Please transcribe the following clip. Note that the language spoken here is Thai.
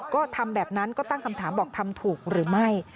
ก็ทำแบบนั้นก็ตั้งคำถามบอกทำถูกหรือไม่